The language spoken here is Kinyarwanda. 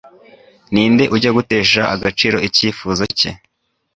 Ninde ujya gutesha agaciro icyifuzo cye